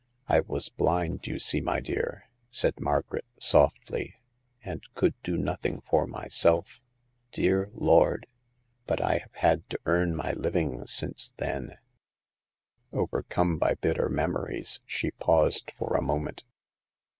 I was blind, you see, my dear," said Margaret, softly, ^and could do nothing for myself* Dear Lord/ The Sixth Customer. 163 but I have had to earn my own Uving since then." Overcome by bitter memories, she paused for a moment.